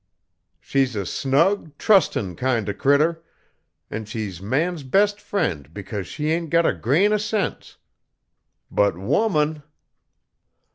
She's a snug, trustin' kind of critter, an' she's man's best friend because she hain't got a grain o' sense. But woman!"